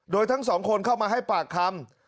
โดยทั้งสองคนเข้ามาให้ปากคำ